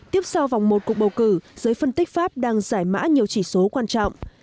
tiếp sau vòng một cuộc bầu cử giới phân tích pháp đang giải mã nhiều chỉ số quan trọng